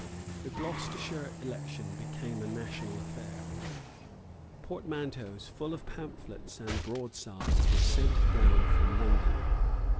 The Gloucestershire election became a national affair. Portmanteaus full of pamphlets and broadsides were sent down from London.